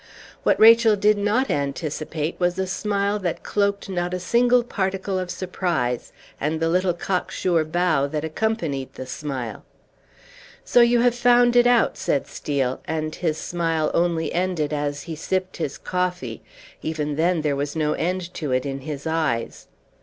What Rachel did not anticipate was a smile that cloaked not a single particle of surprise, and the little cocksure bow that accompanied the smile. "So you have found it out," said Steel, and his smile only ended as he sipped his coffee; even then there was no end to it in his eyes.